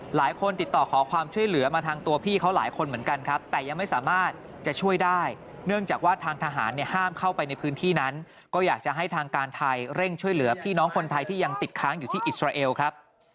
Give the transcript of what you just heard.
หลายคนติดต่อขอความช่วยเหลือมาทางตัวพี่เขาหลายคนเหมือนกันครับ